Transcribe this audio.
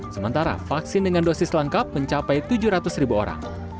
sementara vaksin dengan dosis lengkap mencapai tujuh ratus ribu orang